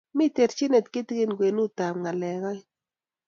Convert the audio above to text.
mi terchinet kitikin kwenutab ng'alek oeng